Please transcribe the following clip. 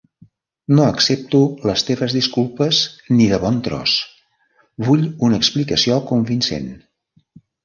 No accepto les teves disculpes ni de bon tros. Vull una explicació convincent.